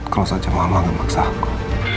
kalau saja mama ngebaksa aku